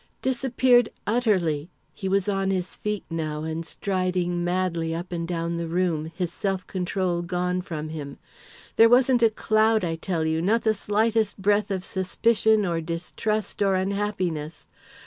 "Disappeared utterly!" He was on his feet now and striding madly up and down the room, his self control gone from him. "There wasn't a cloud, I tell you; not the slightest breath of suspicion or distrust or unhappiness.